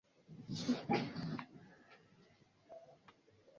Waandishi wa Habari wa Myanmar wakabiliwa na vitisho vya kuondolewa Thailand